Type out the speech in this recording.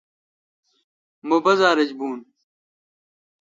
مہ بازار ایج بون